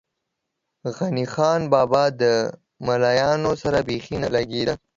غني خان بابا ده ملایانو سره بېخی نه لږې ده.